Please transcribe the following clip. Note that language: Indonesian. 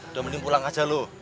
udah mending pulang aja loh